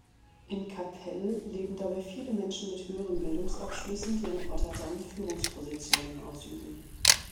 In Capelle leben dabei viele Menschen mit höheren Bildungsabschlüssen, die in Rotterdam Führungspositionen ausüben.